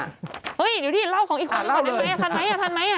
เดี๋ยวถึงเล่าของอีกคนได้ไหมทานไหม